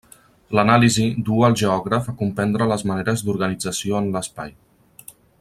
L'anàlisi duu al geògraf a comprendre les maneres d'organització en l'espai.